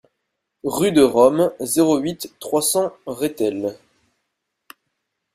Rue de Rome, zéro huit, trois cents Rethel